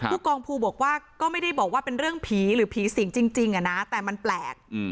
ผู้กองภูบอกว่าก็ไม่ได้บอกว่าเป็นเรื่องผีหรือผีสิงจริงแต่มันแปลก